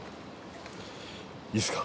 いいっすか。